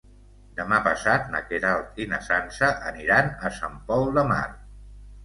Demà passat na Queralt i na Sança aniran a Sant Pol de Mar.